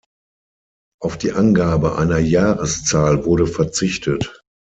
Auf die Angabe einer Jahreszahl wurde verzichtet.